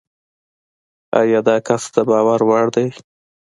ایا داکس دباور وړ دی؟